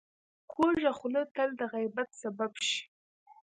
کوږه خوله تل د غیبت سبب شي